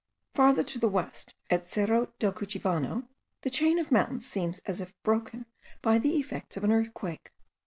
Farther to the west, at Cerro del Cuchivano, the chain of mountains seems as if broken by the effects of an earthquake.